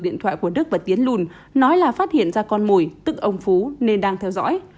điện thoại của đức và tiến lùn nói là phát hiện ra con mùi tức ông phú nên đang theo dõi